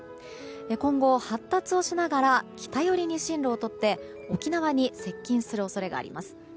今後、発達をしながら北寄りに進路をとって沖縄に接近する恐れがあります。